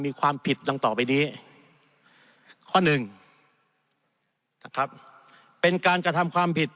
มีความผิดดังต่อไปนี้ข้อหนึ่งนะครับเป็นการกระทำความผิด